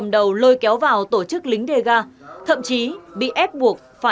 dạ tôi biết sai ạ